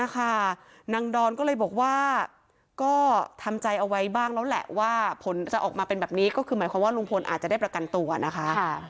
ก็ทำใจเอาไว้บ้างแล้วแหละว่าผลจะออกมาเป็นแบบนี้ก็คือหมายความว่าลุงพลน่ะอาจจะได้ประกันตัวนะคะ